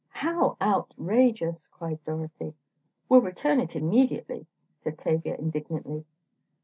"How outrageous!" cried Dorothy. "We'll return it immediately," said Tavia, indignantly.